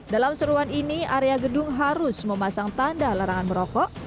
dalam seruan ini area gedung harus memasang tanda larangan merokok